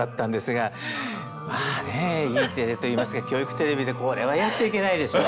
スタジオまあねＥテレといいますか教育テレビでこれはやっちゃいけないでしょ。